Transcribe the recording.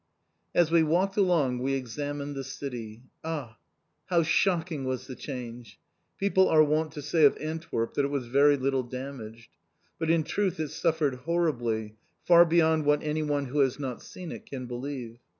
As we walked along we examined the City. Ah, how shocking was the change! People are wont to say of Antwerp that it was very little damaged. But in truth it suffered horribly, far beyond what anyone who has not seen it can believe.